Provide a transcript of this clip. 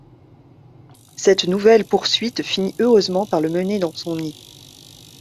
Cette nouvelle poursuite finit heureusement par le mener dans son nid.